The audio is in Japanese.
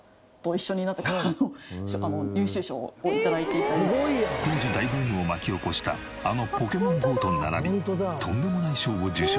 見方によっては当時大ブームを巻き起こしたあの『ポケモンＧＯ』と並びとんでもない賞を受賞。